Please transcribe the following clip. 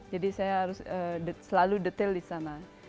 jadi saya harus selalu detail di sana